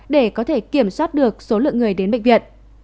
để có thể kiểm soát được số lượng người đến bệnh viện